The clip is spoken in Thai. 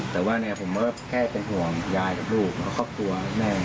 แต่ว่าผมก็แค่เป็นห่วงยายกับลูกและครอบครัวแม่